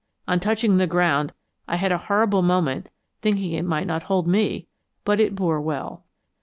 On touching the ground I had a horrible moment thinking it might not hold me; but it bore well.